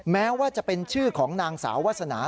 แม้ว่าจะเป็นชื่อของนางสาววาสนา